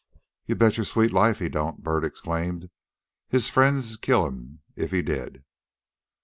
"You bet your sweet life he don't," Bert exclaimed. "His friends'd kill him if he did."